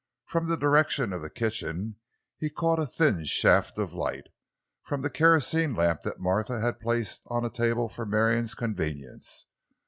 From the direction of the kitchen he caught a thin shaft of light—from the kerosene lamp that Martha had placed on a table for Marion's convenience.